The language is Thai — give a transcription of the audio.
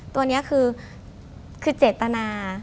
ตัวนี้คือเจตนา